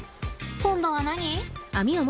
今度は何？